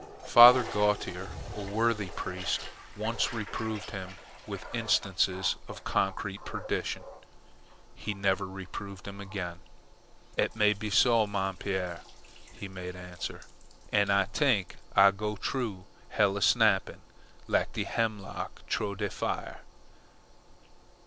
Father Gautier, a worthy priest, one reproved him with instances of concrete perdition. He never reproved him again. "Eet may be so, mon pere," he made answer. "An' Ah t'ink Ah go troo hell a snappin', lak de hemlock troo de fire.